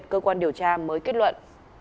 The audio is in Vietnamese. cơ quan điều tra mới kết luận